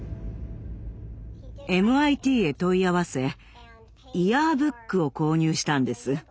ＭＩＴへ問い合わせイヤーブックを購入したんです。